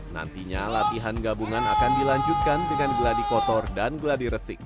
nantinya latihan gabungan akan dilanjutkan dengan geladi kotor dan geladi resik